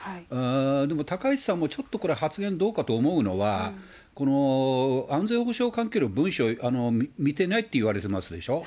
でも高市さんも、ちょっとこれ、発言どうかと思うのは、安全保障関係の文書を見てないって言われてますでしょ。